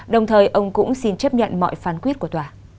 đồng thời ông cũng xin chấp nhận mọi phán quyết của tòa